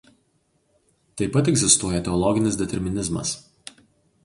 Taip pat egzistuoja "teologinis determinizmas".